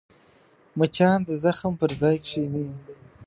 مچان د زخم پر ځای کښېني